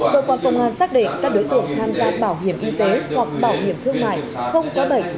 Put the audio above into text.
cơ quan công an xác định các đối tượng tham gia bảo hiểm y tế hoặc bảo hiểm thương mại không có bệnh